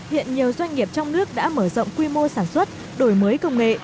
hiện nhiều doanh nghiệp trong nước đã mở rộng quy mô sản xuất đổi mới công nghệ